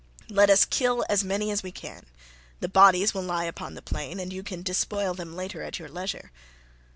Let us kill as many as we can; the bodies will lie upon the plain, and you can despoil them later at your leisure."